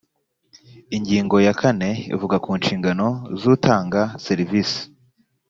ingingo ya kane ivuga ku inshingano z’ utanga serivisi